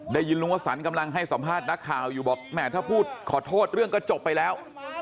ได้ยินลุงวสันกำลังให้สัมภาษณ์นักข่าวอยู่บอกแหมถ้าพูดขอโทษเรื่องก็จบไปแล้ว